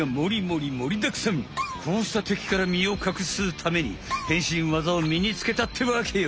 こうしたてきからみをかくすために変身技をみにつけたってわけよ。